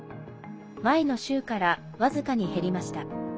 前の週から、僅かに減りました。